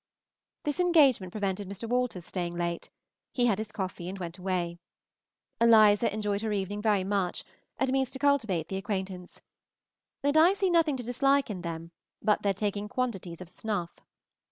This engagement prevented Mr. Walter's staying late, he had his coffee and went away. Eliza enjoyed her evening very much, and means to cultivate the acquaintance; and I see nothing to dislike in them but their taking quantities of snuff.